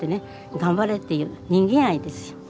頑張れっていう人間愛ですよ。